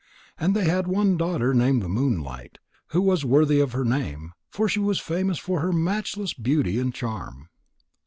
And they had one daughter named Moonlight, who was worthy of her name, for she was famous for her matchless beauty and charm.